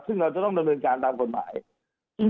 ซึ่งเราจะต้องด้านเมืองการตามผลไหม